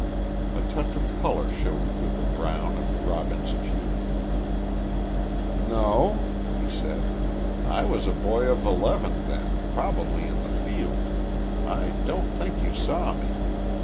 A touch of color showed through the brown of Robin's cheek. "No," he said; "I was a boy of eleven, then, probably in the field. I don't think you saw me.